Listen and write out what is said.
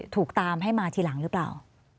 ถูกตามให้มาทีหลังหรือเปล่า